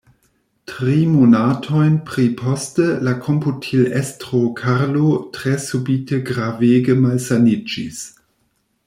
Tri monatojn pri poste la komputilestro Karlo tre subite gravege malsaniĝis.